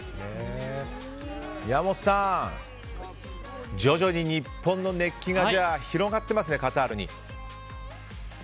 山本さん、徐々に日本の熱気が広がってますね、カタールに。